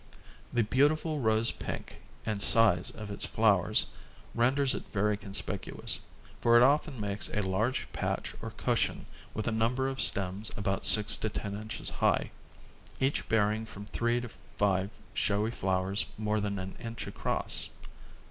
The beautiful rose pink and size of its flowers renders it very conspicuous, for it often makes a large patch or cushion with a number of stems about six to ten inches high, each bearing from three to five showy flowers more than an inch across.